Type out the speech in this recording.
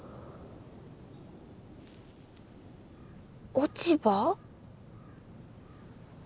落ち葉？